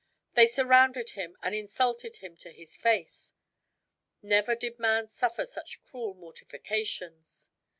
They surrounded him and insulted him to his face. Never did man suffer such cruel mortifications.